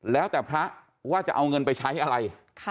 แล้วแต่พระว่าจะเอาเงินไปใช้อะไร